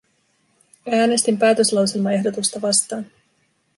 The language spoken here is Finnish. Äänestin päätöslauselmaehdotusta vastaan.